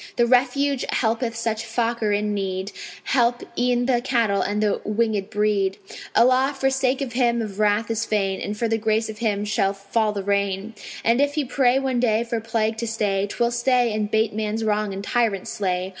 The Refuge helpeth such Fakir in need; Help e'en the cattle and the winged breed: Allah for sake of him of wrath is fain, And for the grace of him shall fall the rain; And if he pray one day for plague to stay, 'Twill stay, and 'bate man's wrong and tyrants slay.